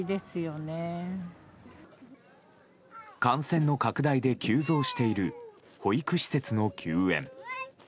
感染の拡大で急増している保育施設の休園。